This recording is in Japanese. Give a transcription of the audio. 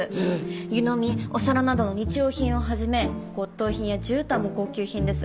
湯飲みお皿などの日用品を始め骨董品やじゅうたんも高級品です。